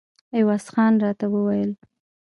عوض خان راته ویل.